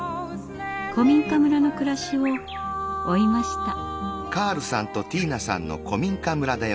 古民家村の暮らしを追いました。